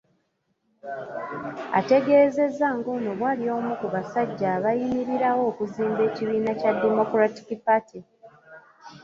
Ategeezezza ng'ono bw'ali omu ku basajja abaayimirirawo okuzimba ekibiina kya Democratic Party.